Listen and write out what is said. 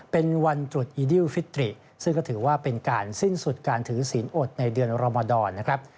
เป็นวันจุดอีดิวฟิตริซึ่งก็ถือว่าเป็นการสิ้นสุดการถือศีลอดในเดือนรมดรนะครับ